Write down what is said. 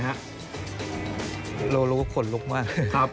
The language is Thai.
เรารู้ว่าขนลุกมาก